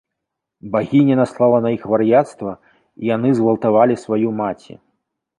Багіня наслала на іх вар'яцтва, і яны згвалтавалі сваю маці.